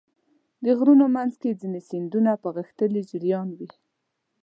د غرونو منځ کې ځینې سیندونه په غښتلي جریان وي.